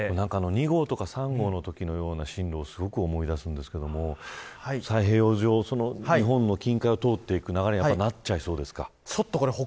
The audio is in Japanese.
２号とか３号のときのような進路をすごく思い出しますが太平洋上、日本の近海を通っていく流れになりそうですか。